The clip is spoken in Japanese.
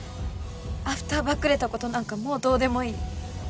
アフターばっくれたことなんかもうどうでもいい。